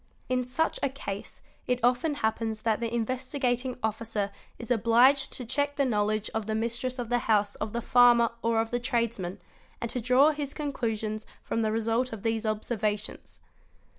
In such a case it often happens that the Investigating Officer is obliged to check the knowledge of the mistress of the house of the farmer | or of the tradesman, and to draw his conclusions from the result of these observations.